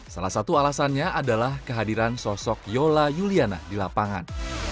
salah satu alasannya adalah kehadiran sosok yola juliana di lapangan